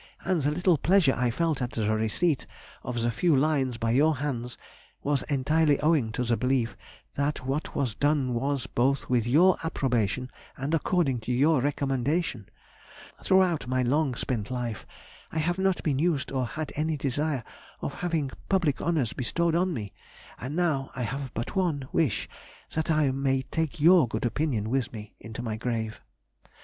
And the little pleasure I felt at the receipt of the few lines by your hands, was entirely owing to the belief that what was done was both with your approbation and according to your recommendation. Throughout my long spent life I have not been used or had any desire of having public honours bestowed on me; and now I have but one wish, that I may take your good opinion with me into my grave.